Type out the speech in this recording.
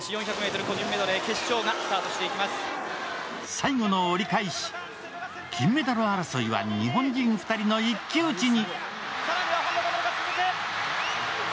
最後の折り返し、金メダル争いは日本人２人の一騎打ちに。